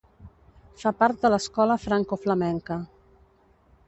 Fa part de l'escola francoflamenca.